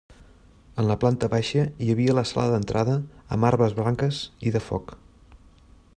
En la planta baixa hi havia la sala d'entrada amb armes blanques i de foc.